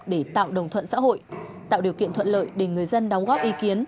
để tạo đồng thuận xã hội tạo điều kiện thuận lợi để người dân đóng góp ý kiến